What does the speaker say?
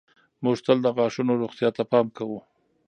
موږ تل د غاښونو روغتیا ته پام کوو.